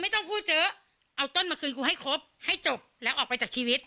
ต้องพูดเยอะเอาต้นมาคืนกูให้ครบให้จบแล้วออกไปจากชีวิต